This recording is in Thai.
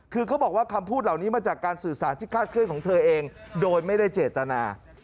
คือเขาบอกว่าคำพูดเหล่านี้มาจากการสื่อสารที่คาดเคลื่อนของเธอเองโดยไม่ได้เจตนา